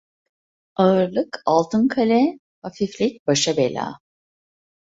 Ağırlık altın kale, hafiflik başa bela.